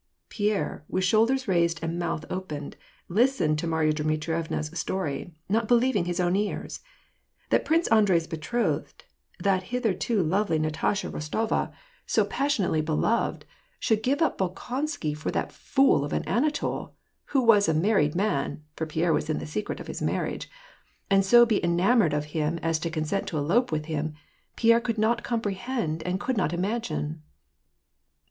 Pierre, with shoulders raised and mouth open, listened to Marya Djnitrievna's story, not believing his own ears. That Prince Andrei's betrothed^ that hitherto lovely Natasha Bos 380 WAR AND PEACE. I tova, so passionately beloved, should give up Bolkonsky for that fool of an Anatol, who was a married man, — for Pierre was in the secret of his marriage, — and be so enamoured of him as to consent to elope with him, Pierre could not comprehend and could not imagine.